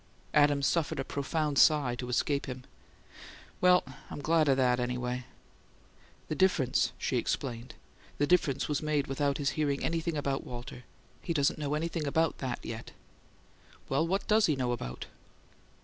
Adams suffered a profound sigh to escape him. "Well I'm glad of that, anyway." "The difference," she explained "the difference was made without his hearing anything about Walter. He doesn't know about THAT yet." "Well, what does he know about?"